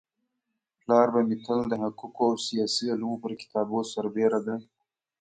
پلار به مي تل د حقوقو او سياسي علومو پر كتابو سربيره د